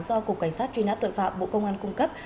do cục cảnh sát truy nã tội phạm bộ công an cung cấp